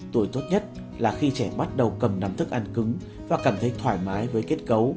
tuổi tốt nhất là khi trẻ bắt đầu cầm nắm thức ăn cứng